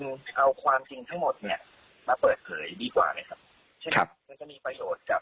และจริงเขามีลูกด้วย